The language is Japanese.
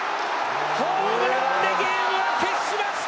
ホームランでゲームは決しました！